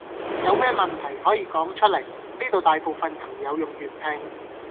有咩問題可以講出來，呢度大部分朋友用粵拼